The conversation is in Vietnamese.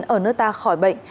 ở nước ta khỏi bệnh